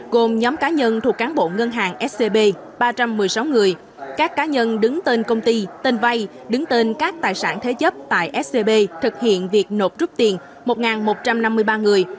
gồm nhóm cá nhân thuộc cán bộ ngân hàng scb ba trăm một mươi sáu người các cá nhân đứng tên công ty tên vay đứng tên các tài sản thế chấp tại scb thực hiện việc nộp rút tiền một một trăm năm mươi ba người